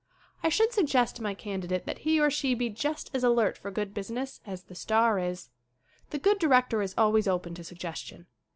I should suggest to my candidate that he or she be just as alert for good business as the star is. The good director is always open to suggestion.